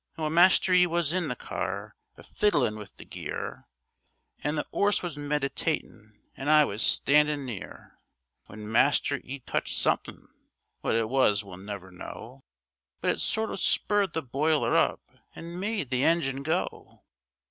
Well, master 'e was in the car, a fiddlin' with the gear, And the 'orse was meditatin', an' I was standin' near, When master 'e touched somethin'—what it was we'll never know— But it sort o' spurred the boiler up and made the engine go.